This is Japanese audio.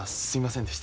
すんません。